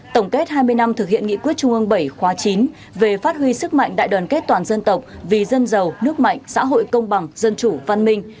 tổng kết hai mươi năm thực hiện nghị quyết trung ương bảy khóa chín về phát huy sức mạnh đại đoàn kết toàn dân tộc vì dân giàu nước mạnh xã hội công bằng dân chủ văn minh